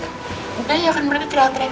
udah ya kan berhenti teriak teriak